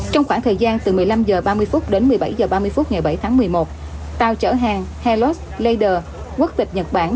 trong khoảng thời gian từ một mươi năm h ba mươi đến một mươi bảy h ba mươi phút ngày bảy tháng một mươi một tàu chở hàng hellos le quốc tịch nhật bản